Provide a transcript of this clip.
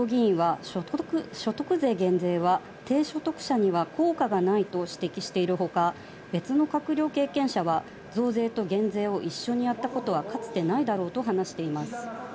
ある自民党議員は、所得税減税は低所得者には効果がないと指摘しているほか、別の閣僚経験者は、増税と減税を一緒にやったことはかつてないだろうと話しています。